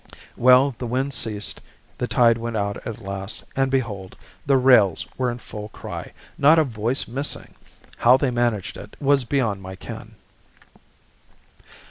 Well, the wind ceased, the tide went out at last; and behold, the rails were in full cry, not a voice missing! How they had managed it was beyond my ken.